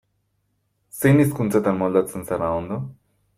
Zein hizkuntzatan moldatzen zara ondo?